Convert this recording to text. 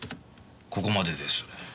ここまでです。